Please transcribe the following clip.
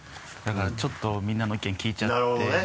だからちょっとみんなの意見聞いちゃって。